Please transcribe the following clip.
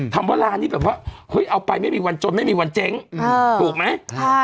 ว่าร้านนี้แบบว่าเฮ้ยเอาไปไม่มีวันจนไม่มีวันเจ๊งถูกไหม